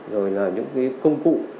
và những công cụ